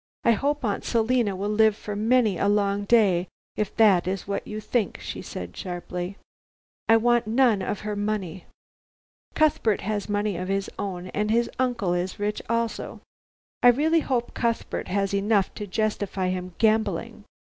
"I hope Aunt Selina will live for many a long day, if that is what you think," she said sharply. "I want none of her money. Cuthbert has money of his own, and his uncle is rich also." "I really hope Cuthbert has enough to justify him gambling."